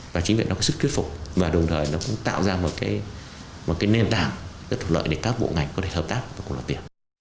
và chính viện nó có sức kết phục và đồng thời nó cũng tạo ra một cái nền tảng được thuộc lợi để các bộ ngành có thể hợp tác và cùng làm việc